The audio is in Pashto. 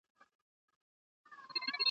شګوفې په ټوله ښکلا غوړېدلي وې ..